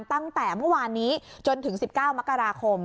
ตั้งแต่เมื่อวานนี้จนถึง๑๙มกราคม